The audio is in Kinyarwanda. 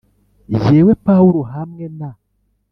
Jyewe Pawulo hamwe na